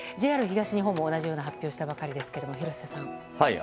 ＪＲ東日本も同じような発表をしたばかりですが、廣瀬さん。